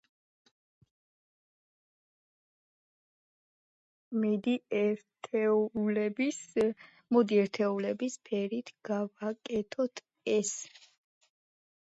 მოდი, ერთეულების ფერით გავაკეთოთ ეს.